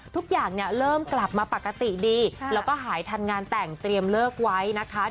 ทุกอย่างเนี่ยเริ่มกลับมาปกติดีแล้วก็หายทันงานแต่งเตรียมเลิกไว้นะคะ